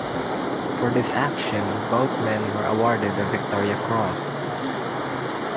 For this action both men were awarded the Victoria Cross.